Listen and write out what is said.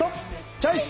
チョイス！